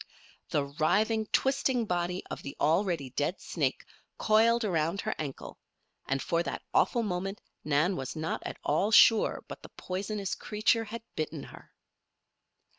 The writhing, twisting body of the already dead snake coiled around her ankle and for that awful moment Nan was not at all sure but the poisonous creature had bitten her!